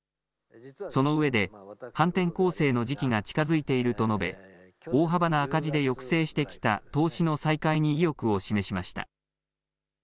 そのうえで反転攻勢の時期が近づいていると述べ大幅な赤字で抑制してきた投資の再開に意欲を示しました。